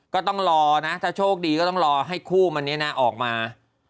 ก็ต้องรอนะถ้าโชคดีก็ต้องรอให้คู่มันนี้นะออกมา